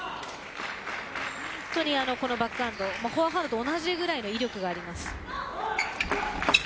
本当にこのバックハンドフォアハンドと同じくらいの威力があります。